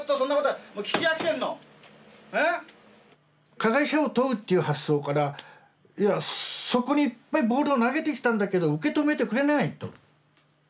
加害者を問うっていう発想からそこにいっぱいボールを投げてきたんだけど受け止めてくれないと。